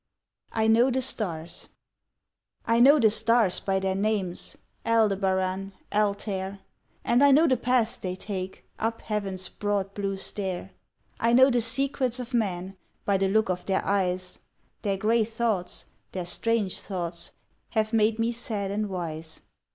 "I Know the Stars" I know the stars by their names, Aldebaran, Altair, And I know the path they take Up heaven's broad blue stair. I know the secrets of men By the look of their eyes, Their gray thoughts, their strange thoughts Have made me sad and wise.